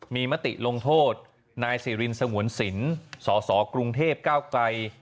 มีมติลงโทษนายสิรินสงวนสินสสกรุงเทพก้าวไกล